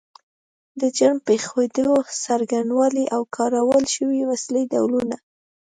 د جرم پیښېدو څرنګوالی او کارول شوې وسلې ډولونه